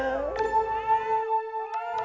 aku jahat ya beb